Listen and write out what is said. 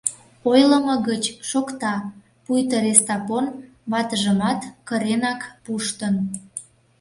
Ойлымо гыч шокта: пуйто Рестапон ватыжымат кыренак пуштын.